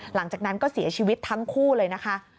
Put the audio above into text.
หลังจากนั้นก็เสียชีวิตทั้งคู่เลยนะคะ